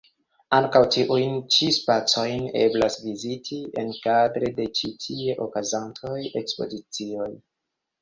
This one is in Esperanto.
Ankaŭ tiujn ĉi spacojn eblas viziti enkadre de ĉi tie okazantaj ekspozicioj.